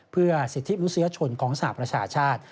เพื่อสิทธิมนุษยชนของสหประชาชาติ